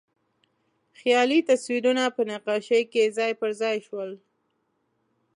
خیالي تصویرونه په نقاشۍ کې ځای پر ځای شول.